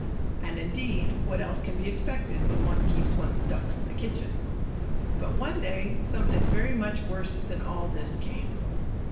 And, indeed, what else can be expected, when one keeps one's ducks in the kitchen? But one day something very much worse than all this came.